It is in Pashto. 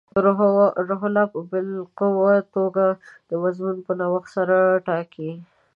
روح په باالقوه توګه د مضمون په نوښت سره ټاکي.